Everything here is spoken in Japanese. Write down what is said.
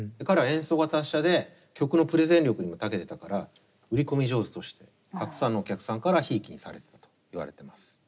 彼は演奏が達者で曲のプレゼン力にもたけてたから売り込み上手としてたくさんのお客さんからひいきにされてたといわれてます。